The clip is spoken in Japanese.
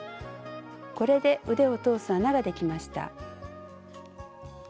これで腕を通す穴ができました。